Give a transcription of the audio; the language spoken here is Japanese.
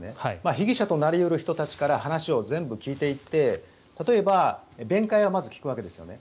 被疑者となり得る人たちから話を聞いて行って例えば弁解をまず聞くわけですね。